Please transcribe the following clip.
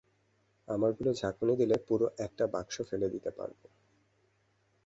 আমারগুলো ঝাঁকুনি দিলে, পুরো একটা বাক্স ফেলে দিতে পারব।